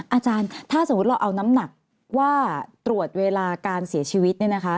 อาจารย์ถ้าสมมุติเราเอาน้ำหนักว่าตรวจเวลาการเสียชีวิตเนี่ยนะคะ